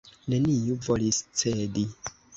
Neniu volis cedi.